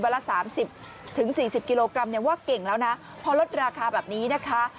เวลาสามสิบถึงสี่สิบกิโลกรัมเนี้ยว่าเก่งแล้วนะพอลดราคาแบบนี้นะคะ